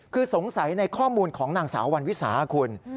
คือสงสัยในข้อมูลของนางสาววันวิสาคุณ